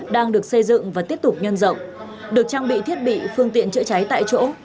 đang được xây dựng và tiếp tục nhân rộng được trang bị thiết bị phương tiện chữa cháy tại chỗ